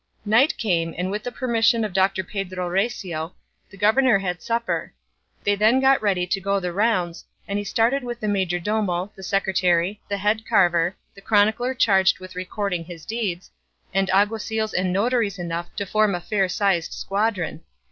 Night came, and with the permission of Doctor Pedro Recio, the governor had supper. They then got ready to go the rounds, and he started with the majordomo, the secretary, the head carver, the chronicler charged with recording his deeds, and alguacils and notaries enough to form a fair sized squadron.